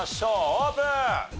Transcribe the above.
オープン！